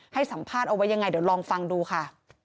ให้สัมภาษณ์เอาไว้ยังไงเดี๋ยวลองฟังดูค่ะ